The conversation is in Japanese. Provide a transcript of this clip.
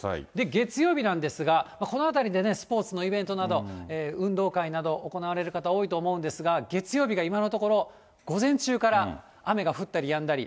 月曜日なんですが、このあたりでね、スポーツのイベントなど、運動会など行われる方、多いと思うんですが、月曜日が今のところ、午前中から雨が降ったりやんだり。